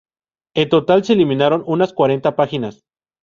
En total se eliminaron unas cuarenta páginas.